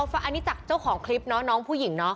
อันนี้จากเจ้าของคลิปเนาะน้องผู้หญิงเนาะ